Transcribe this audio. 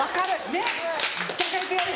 ねっ抱かれてやる！